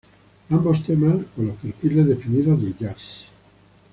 Ambos temas con los perfiles definidos del jazz.